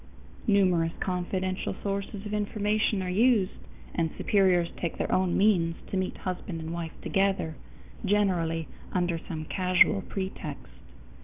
Numerous confidential sources of information are used, and superiors take their own means to meet husband and wife together, generally under some casual pretext.